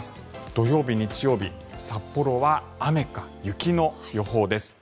土曜日、日曜日札幌は雨か雪の予報です。